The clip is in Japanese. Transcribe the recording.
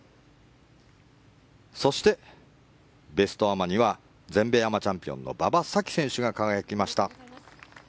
そして、ベストアマには全米アマチャンピオンの馬場咲希選手が輝きました。